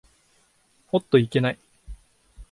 おっといけない。